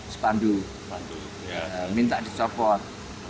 sepanduk minta dicopot